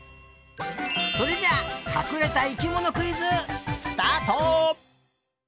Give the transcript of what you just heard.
それじゃあかくれた生きものクイズスタート！